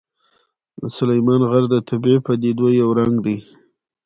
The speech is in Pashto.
سلیمان غر د طبیعي پدیدو یو رنګ دی.